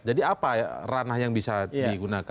jadi apa ranah yang bisa digunakan